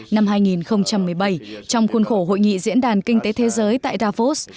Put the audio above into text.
năm hai nghìn một mươi bảy trong khuôn khổ hội nghị diễn đàn kinh tế thế giới tại davos